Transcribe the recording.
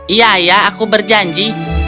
iya iya aku berjanji